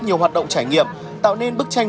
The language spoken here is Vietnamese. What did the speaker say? nhiều hoạt động trải nghiệm tạo nên bức tranh